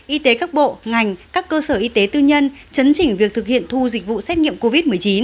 y tế các bộ ngành các cơ sở y tế tư nhân chấn chỉnh việc thực hiện thu dịch vụ xét nghiệm covid một mươi chín